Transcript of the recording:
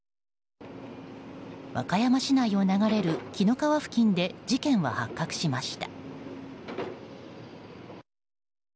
和歌山市内を流れる紀の川付近で事件は発覚しました。